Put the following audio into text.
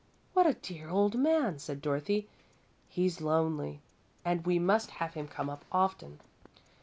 "What a dear old man!" said Dorothy. "He's lonely and we must have him come up often."